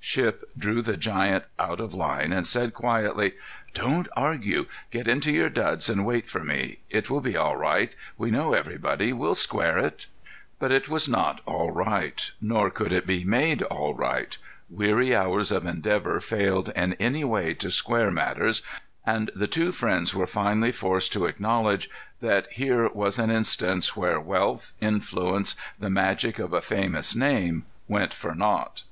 Shipp drew the giant out of line and said, quietly: "Don't argue. Get into your duds and wait for me. It will be all right. We know everybody; we'll square it." But it was not all right. Nor could it be made all right. Weary hours of endeavor failed in any way to square matters, and the two friends were finally forced to acknowledge that here was an instance where wealth, influence, the magic of a famous name, went for naught.